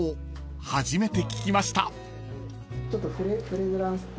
初めて聞きました］